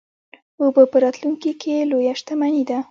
اوبه په راتلونکي کې لویه شتمني ده.